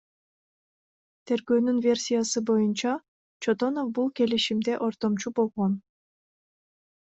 Тергөөнүн версиясы боюнча, Чотонов бул келишимде ортомчу болгон.